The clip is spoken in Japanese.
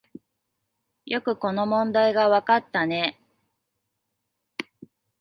よくこの問題がわかったね